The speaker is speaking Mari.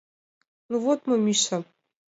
— Ну, вот мо Миша...